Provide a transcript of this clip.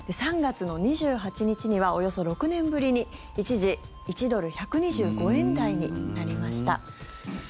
３月の２８日にはおよそ６年ぶりに一時、１ドル＝１２５円台になりました。